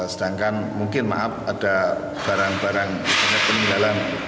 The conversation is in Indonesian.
sedangkan mungkin maaf ada barang barang peninggalan